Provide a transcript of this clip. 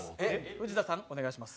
藤田さん、お願いします。